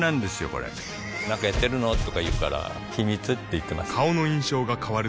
これなんかやってるの？とか言うから秘密って言ってます